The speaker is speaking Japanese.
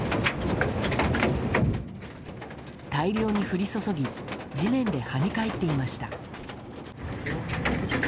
大量に降り注ぎ地面で跳ね返っていました。